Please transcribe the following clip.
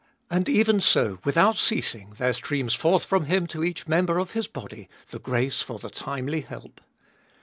And even so, without ceasing, there streams forth from Him to each member of His body the grace for the timely help.